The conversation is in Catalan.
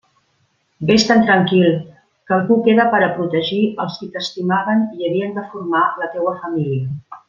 Vés-te'n tranquil, que algú queda per a protegir els qui t'estimaven i havien de formar la teua família.